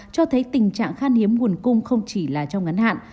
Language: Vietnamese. cho thấy tình trạng khan hiếm nguồn cung không chỉ là trong ngắn hạn